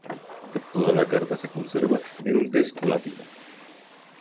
Toda la carta se conserva en un texto latino.